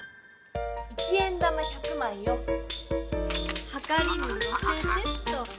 一円玉１００枚をはかりにのせてっと。